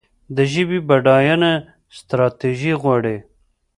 د ژبې بډاینه ستراتیژي غواړي.